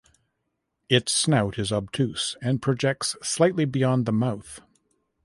Its snout is obtuse and projects slightly beyond the mouth.